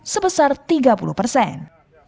sebesar tiga persen